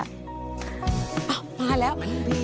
อ้าวมาแล้ว